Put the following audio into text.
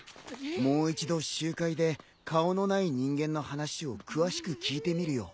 もう一度集会で顔のない人間の話を詳しく聞いてみるよ。